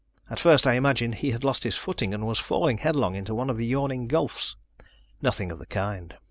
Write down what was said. At first I imagined he had lost his footing, and was falling headlong into one of the yawning gulfs. Nothing of the kind.